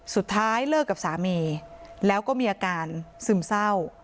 เลิกกับสามีแล้วก็มีอาการซึมเศร้า